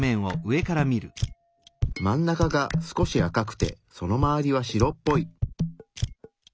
真ん中が少し赤くてその周りは白っぽい。